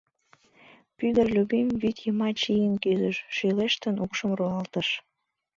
Пӱгыр Любим вӱд йымач ийын кӱзыш, шӱлештын, укшым руалтыш.